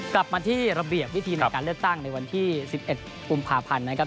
กลับมาที่ระเบียบวิธีในการเลือกตั้งในวันที่๑๑กุมภาพันธ์นะครับ